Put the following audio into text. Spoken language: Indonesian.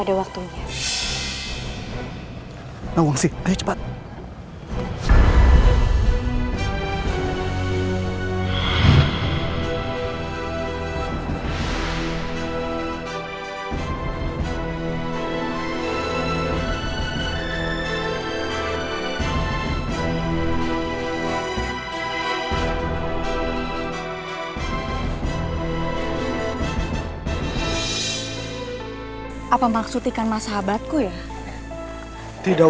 dan mengerti pada waktunya